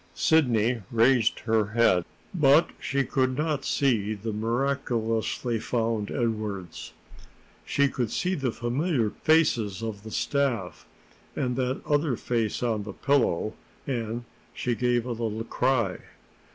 Sidney raised her head, but she could not see the miraculously found Edwardes. She could see the familiar faces of the staff, and that other face on the pillow, and she gave a little cry.